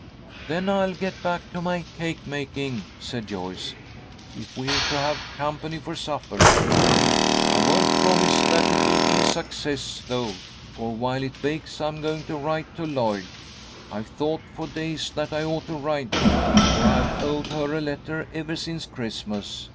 "Then I'll get back to my cake making," said Joyce, "if we're to have company for supper. I won't promise that it'll be a success, though, for while it bakes I'm going to write to Lloyd. I've thought for days that I ought to write, for I've owed her a letter ever since Christmas.